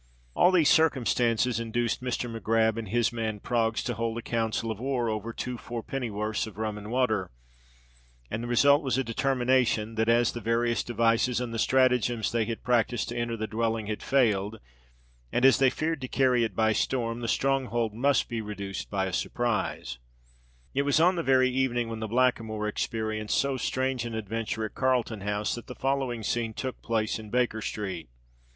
All these circumstances induced Mr. Mac Grab and his man Proggs to hold a council of war over two four penn'orths of rum and water; and the result was a determination, that as the various devices and stratagems they had practised to enter the dwelling had failed, and as they feared to carry it by storm, the stronghold must be reduced by a surprise. It was on the very evening when the Blackamoor experienced so strange an adventure at Carlton House, that the following scene took place in Baker Street.